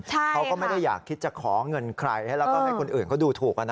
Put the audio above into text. เขาก็ไม่ได้อยากคิดจะขอเงินใครแล้วก็ให้คนอื่นเขาดูถูก